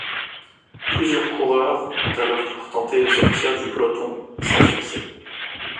Plusieurs coureurs ont à leur tour tenté de sortir du peloton, sans succès.